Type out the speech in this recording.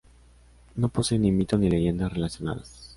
No posee ni mito ni leyendas relacionadas.